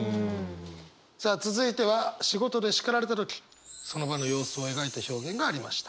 さあ続いては仕事で叱られた時その場の様子を描いた表現がありました。